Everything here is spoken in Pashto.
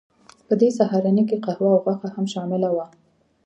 په دې سهارنۍ کې قهوه او غوښه هم شامله وه